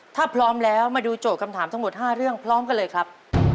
ถ้าพร้อมแล้วมาดูโจทย์คำถามทั้งหมด๕เรื่องพร้อมกันเลยครับ